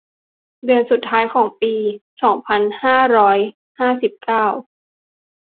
เดือนสุดท้ายของปี สองพันห้าร้อยห้าสิบเก้า